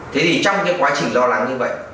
thế thì trong cái quá trình lo lắng như vậy